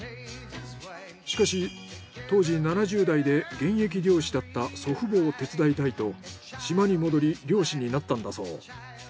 しかし当時７０代で現役漁師だった祖父母を手伝いたいと島に戻り漁師になったんだそう。